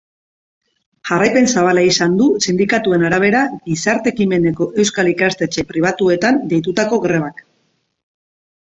Jarraipen zabala izan du sindikatuen arabera gizarte ekimeneko euskal ikastetxe pribatuetan deitutako grebak.